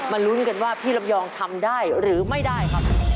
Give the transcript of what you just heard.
ลุ้นกันว่าพี่ลำยองทำได้หรือไม่ได้ครับ